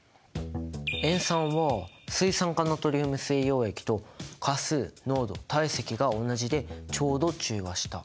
塩酸は水酸化ナトリウム水溶液と価数濃度体積が同じでちょうど中和した。